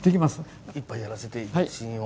一杯やらせて試飲を。